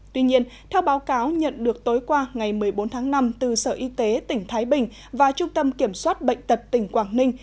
tuy nhiên theo báo cáo nhận được tối qua ngày một mươi bốn tháng năm từ sở y tế tỉnh thái bình và trung tâm kiểm soát bệnh tật tỉnh quảng ninh